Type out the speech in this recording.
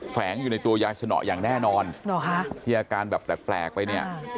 แฝงอยู่ในตัวยายสนออย่างแน่นอนที่อาการแบบแปลกไปเนี่ย